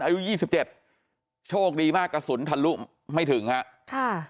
อายุยี่สิบเจ็ดโชคดีมากกระสุนทะลุไม่ถึงฮะค่ะ